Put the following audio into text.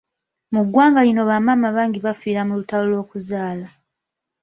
Mu ggwanga lino ba maama bangi bafiira mu lutalo lw'okuzaala.